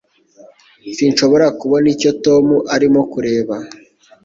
Sinshobora kubona icyo Tom arimo kureba